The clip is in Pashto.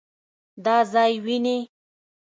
دا ځای وينې؟